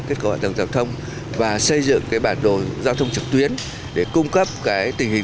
kết cấu hạ tầng giao thông và xây dựng cái bản đồ giao thông trực tuyến để cung cấp cái tình hình